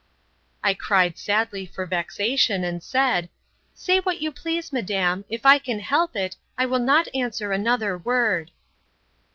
I cried sadly for vexation; and said, Say what you please, madam; if I can help it, I will not answer another word.